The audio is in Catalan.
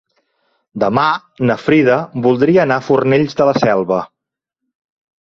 Demà na Frida voldria anar a Fornells de la Selva.